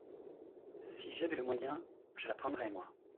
Si j’avais le moyen, je la prendrais, moi !